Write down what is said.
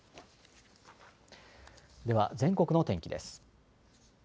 では全国の天気です。